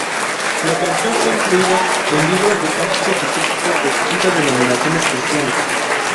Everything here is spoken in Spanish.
La canción fue incluida en libros de cánticos litúrgicos de distintas denominaciones cristianas.